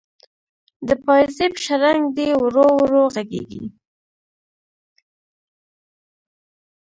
د پایزیب شرنګ دی ورو ورو ږغیږې